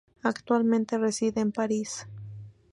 Actualmente reside en París.